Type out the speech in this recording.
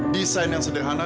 desain yang sederhana